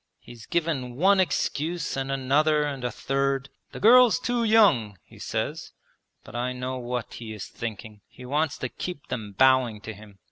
He's given one excuse, and another, and a third. "The girl's too young," he says. But I know what he is thinking. He wants to keep them bowing to him.